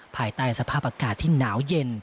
ภายใต้สภาพอากาศที่หนาวเย็น